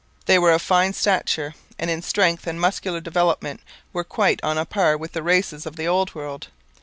They were of fine stature, and in strength and muscular development were quite on a par with the races of the Old World.